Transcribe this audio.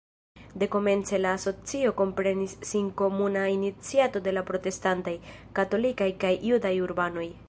Dekomence la asocio komprenis sin komuna iniciato de la protestantaj, katolikaj kaj judaj urbanoj.